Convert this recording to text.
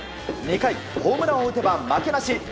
２回、ホームランを打てば負けなし。